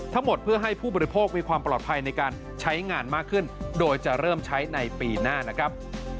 ทั้งหมดเพื่อให้ผู้บริโภคมีความปลอดภัยในการใช้งานมากขึ้นโดยจะเริ่มใช้ในปีหน้านะครับ